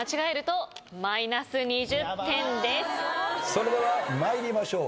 それでは参りましょう。